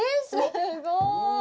すごい！